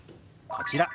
こちら。